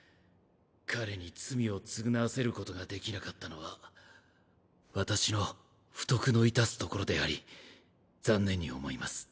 彼に罪を償わせることができなかったのは私の不徳の致すところであり残念に思います。